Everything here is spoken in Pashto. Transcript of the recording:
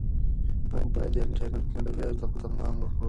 موږ باید د انټرنيټ منفي اغېزو ته پام وکړو.